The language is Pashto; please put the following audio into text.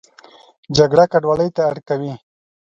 جګړه کډوالۍ ته اړ کوي